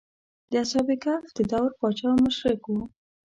د اصحاب کهف د دور پاچا مشرک و.